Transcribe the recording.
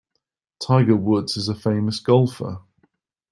Tiger Woods is a famous golfer.